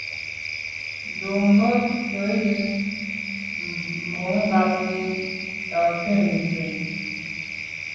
Ndù me ke jun mbumngab yi t’a kum nkù.